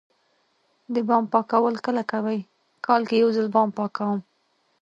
د بام پاکول کله کوئ؟ کال کې یوځل بام پاکوم